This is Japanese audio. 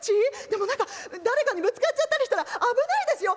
でも何か誰かにぶつかっちゃったりしたら危ないですよ」。